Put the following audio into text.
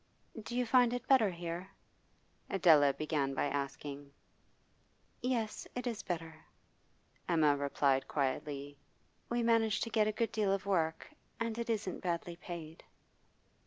'Do you find it better here?' Adela began by asking. 'Yes, it is better,' Emma replied quietly. 'We manage to get a good deal of work, and it isn't badly paid.